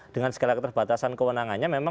dengan segala keterbatasan kewenangannya memang